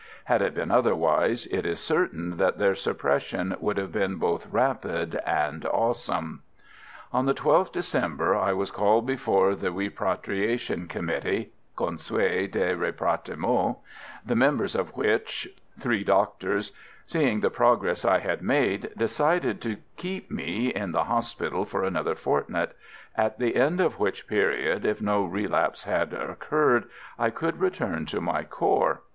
Had it been otherwise, it is certain that their suppression would have been both rapid and awesome. On the 12th December I was called before the Repatriation Committee (Conseil de Rapatriement), the members of which three doctors seeing the progress I had made, decided to keep me in the hospital for another fortnight, at the end of which period, if no relapse had occurred, I could return to my corps.